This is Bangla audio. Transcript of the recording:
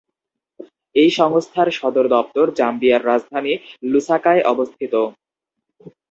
এই সংস্থার সদর দপ্তর জাম্বিয়ার রাজধানী লুসাকায় অবস্থিত।